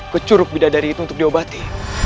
ke curug bidadari itu untuk diobati